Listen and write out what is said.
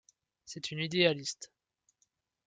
C’est une idéaliste.